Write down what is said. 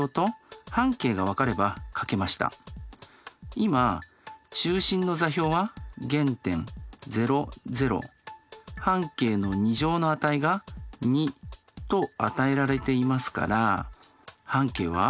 今中心の座標は原点半径の２乗の値が２と与えられていますから半径は？